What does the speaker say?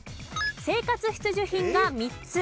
生活必需品が３つ。